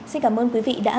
xin cảm ơn quý vị đã